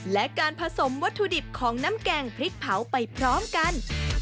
และการผสมวัตถุดิบของน้ำแกงพริกเผาไปพร้อมกัน